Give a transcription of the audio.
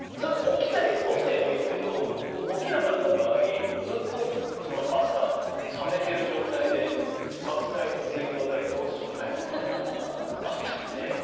起きてればいいですけど起きなかった場合ずっと朝ためてる状態でガス代と水道代どうすんだよみたいなのがあって。